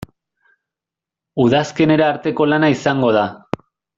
Udazkenera arteko lana izango da.